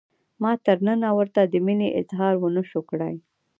ما تر ننه ورته د مینې اظهار ونشو کړای.